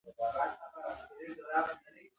واک د مسوولیت له احساس سره تړلی دی.